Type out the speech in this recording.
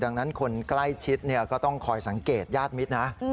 ดังนั้นคนใกล้ชิดก็ต้องคอยสังเกตญาติมิตรนะ